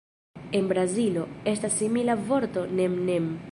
En Brazilo, estas simila vorto "nem-nem".